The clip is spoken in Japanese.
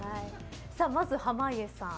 まず、濱家さん。